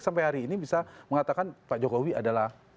sampai hari ini bisa mengatakan pak jokowi adalah